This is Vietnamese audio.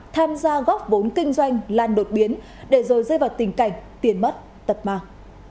tham gia góp vốn kinh doanh lan đột biến để rồi rơi vào tình cảnh tiền mất tật mạng